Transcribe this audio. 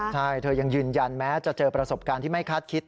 ใช่เธอยังยืนยันแม้จะเจอประสบการณ์ที่ไม่คาดคิด